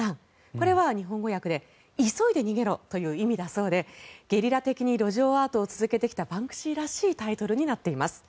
これは日本語訳で急いで逃げろという意味だそうでゲリラ的に路上アートを続けてきたバンクシーらしいタイトルになっています。